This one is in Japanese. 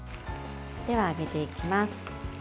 では、揚げていきます。